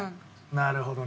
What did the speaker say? なるほどね。